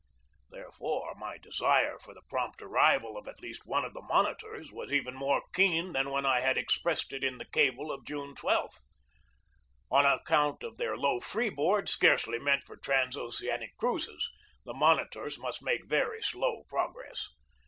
Therefore, my desire for the prompt arrival of at least one of the monitors was even more keen than when I had expressed it in the cable of June 12. On account of their low freeboard, scarcely meant for transoceanic cruises, the monitors must make very slow progress.